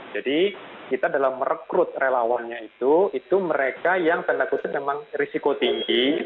jadi kita dalam merekrut relawannya itu itu mereka yang tanda kutip memang risiko tinggi